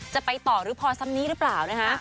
จะไปต่อหรือพอซ้ำนี้หรือเปล่านะคะ